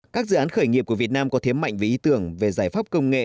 các dự án khởi nghiệp của việt nam có thế mạnh về ý tưởng về giải pháp công nghệ